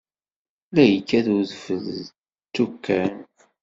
La yekkat udfel d tukkan.